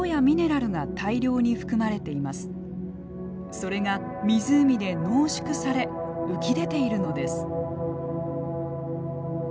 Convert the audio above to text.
それが湖で濃縮され浮き出ているのです。